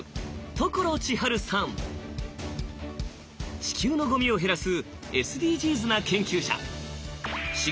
地球のゴミを減らすＳＤＧｓな研究者。